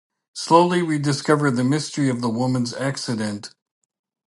Slowly we discover the mystery of the woman's accident.